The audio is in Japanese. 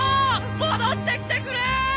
戻ってきてくれ！